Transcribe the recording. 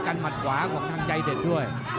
หมัดขวาของทางใจเด็ดด้วย